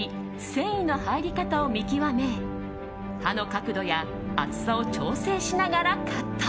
繊維の入り方を見極め刃の角度や厚さを調整しながらカット。